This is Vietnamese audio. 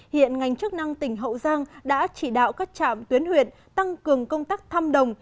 hiện ngành chức năng tỉnh hậu giang đã chỉ đạo các trạm tuyến huyện tăng cường công tác thăm đồng